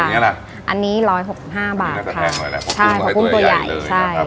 วันนี้ละ